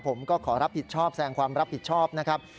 ขอรับผิดชอบแสงความรับผิดชอบนะครับ